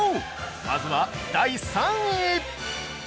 まずは第３位！！